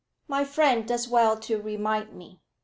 "My friend does well to remind me.